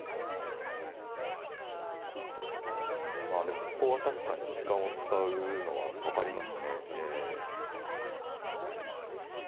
まあでもここは確かに時間を使うのは分かりますね。